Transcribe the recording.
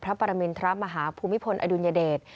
พระปรมินทรัพย์มหาภูมิพลอดุญเดช